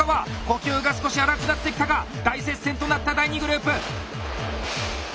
呼吸が少し荒くなってきたか⁉大接戦となった第２グループ。